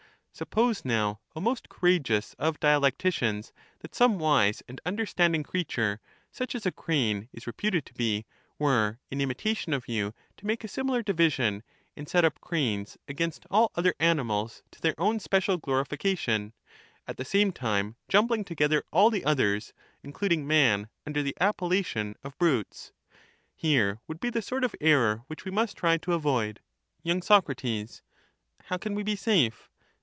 Suppose now, O most courageous of dialecticians. The crane that some wise and understanding creature, such as a crane ^"^^^ is reputed to be, were, in imitation of you, to make a similar living division, and set up cranes against all other animals to their J^*"*^ own special glorification, at the same time jumbling together and all all the others, including man, under the appellation, of ^'^^T. , brutes, — here would be the sort of error which we must try to avoid. Y. Soc. How can we be safe?